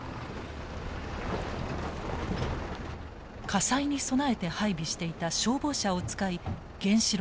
火災に備えて配備していた消防車を使い原子炉へ注水する。